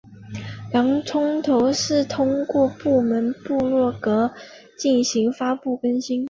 洋葱头是通过部落格进行发布更新。